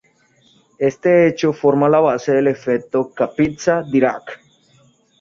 Este hecho forma la base del efecto Kapitsa-Dirac.